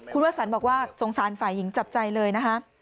คุณวสันบอกว่าสงสารฝ่ายหญิงจับใจเลยนะคะ